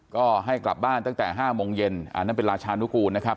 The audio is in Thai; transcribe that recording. ก็ให้กลับบ้านตั้งแต่๕โมงเย็นอันนั้นเป็นราชานุกูลนะครับ